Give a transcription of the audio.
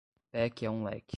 Pé que é um leque